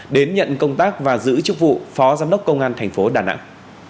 đến nhận công tác và giữ chức vụ phó giám đốc công an thành phố đà nẵng